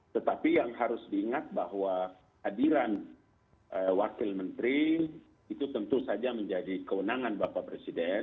tetapi yang harus diingat bahwa hadiran wakil menteri itu tentu saja menjadi kewenangan bapak presiden